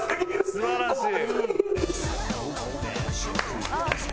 素晴らしい！